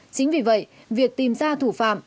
chính vì vậy việc tìm ra thủ phạm